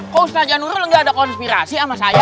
kok usaha janurul gak ada konspirasi sama saya